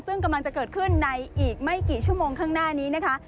ซึ่งกำลังจะเกิดขึ้นในอีกไม่กี่ชั่วโมงข้างหน้านี้นะคะ